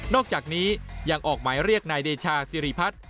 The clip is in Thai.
อกจากนี้ยังออกหมายเรียกนายเดชาสิริพัฒน์